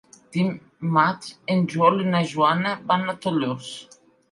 Dimarts en Joel i na Joana van a Tollos.